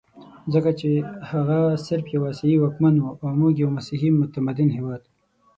ځکه چې هغه صرف یو اسیایي واکمن وو او موږ یو مسیحي متمدن هېواد.